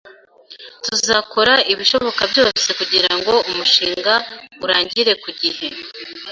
Tuzakora ibishoboka byose kugirango umushinga urangire ku gihe.